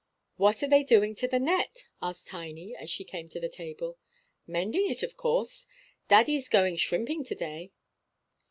"What are they doing to the net?" asked Tiny, as she came to the table. "Mending it, of course. Daddy's going shrimping to day."